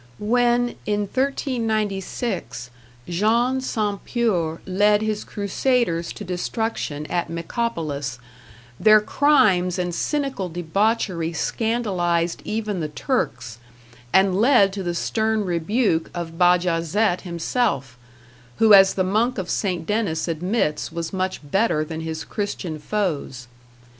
When, in 1396, Jean sans Peur led his Crusaders to destruction at Micopolis, their crimes and cynical debauchery scandalized even the Turks, and led to the stern rebuke of Bajazet himself, who as the monk of St. Denis admits was much better than his Christian foes.